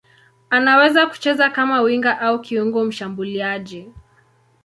Anaweza kucheza kama winga au kiungo mshambuliaji.